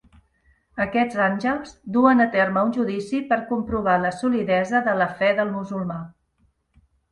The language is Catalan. Aquests àngels duen a terme un judici per comprovar la solidesa de la fe del musulmà.